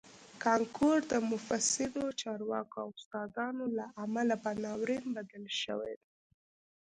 کانکور د مفسدو چارواکو او استادانو له امله په ناورین بدل شوی دی